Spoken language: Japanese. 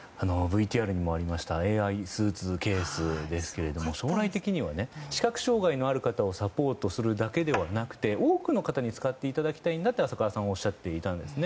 ＶＴＲにもありましたがＡＩスーツケースですが将来的には視覚障害のある方をサポートするだけではなくて多くの方に使っていただきたいと浅川さんはおっしゃっていました。